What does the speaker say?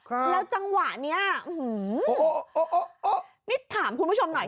แล้วจังหวะเนี้ยนี่ถามคุณผู้ชมหน่อย